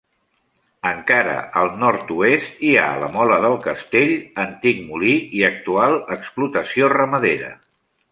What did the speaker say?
Encara, al nord-oest hi ha la Mola del Castell, antic molí i actual explotació ramadera.